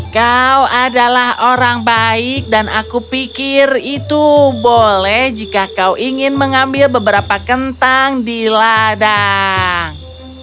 kau adalah orang baik dan aku pikir itu boleh jika kau ingin mengambil beberapa kentang di ladang